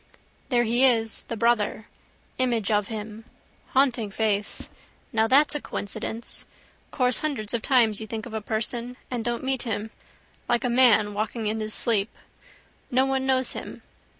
There he is: the brother. Image of him. Haunting face. Now that's a coincidence. Course hundreds of times you think of a person and don't meet him. Like a man walking in his sleep. No one knows him.